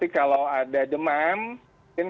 insya allah dalam waktu ini mungkin dia akan berhasil